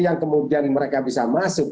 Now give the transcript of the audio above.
yang kemudian mereka bisa masuk